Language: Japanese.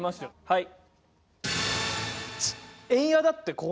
はい。